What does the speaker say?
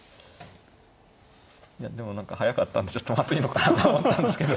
でも速かったんでちょっとまずいのかなとは思ったんですけど。